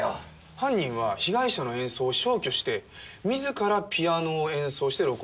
犯人は被害者の演奏を消去して自らピアノを演奏して録音しています。